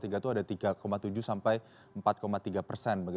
itu ada tiga tujuh sampai empat tiga persen